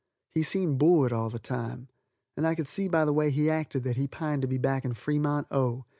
He seemed bored all the time, and I could see by the way he acted that he pined to be back in Fremont, O.